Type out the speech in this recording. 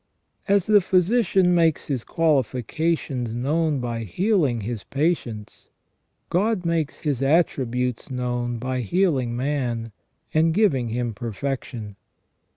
As the physician makes his qualifications known by healing his patients, God makes his attributes known by healing man and giving him perfection.